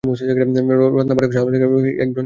রত্না পাঠক শা হলেন একজন গুজরাতি হিন্দু।